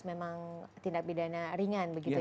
memang tindak bidana ringan begitu ya pak